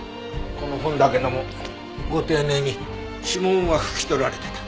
この本だけどもご丁寧に指紋は拭き取られてた。